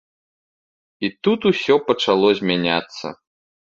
І тут усё пачало змяняцца.